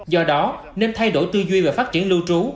do đó nên thay đổi tư duy về phát triển lưu trú